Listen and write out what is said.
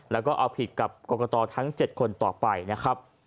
แล้วก็เอาผิดกับกรกตทั้ง๗คนต่อไปนะครับ